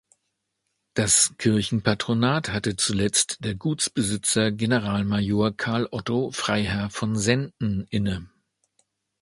Das Kirchenpatronat hatte zuletzt der Gutsbesitzer Generalmajor "Carl Otto Freiherr von Senden" inne.